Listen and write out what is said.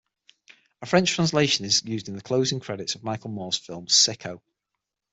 A French translation is used in the closing credits of Michael Moore's film "Sicko".